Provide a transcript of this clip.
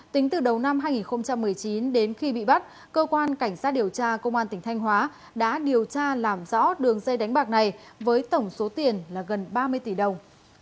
tính từ đầu năm hai nghìn một mươi chín đến khi bị bắt cơ quan cảnh sát điều tra công an tỉnh thanh hóa đã điều tra làm rõ đường dây đánh bạc này với tổng số tiền là gần ba mươi tỷ đồng